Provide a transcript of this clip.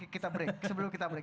kita break sebelum kita break